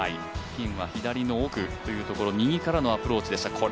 ピンは左の奥というところ右からのアプローチでした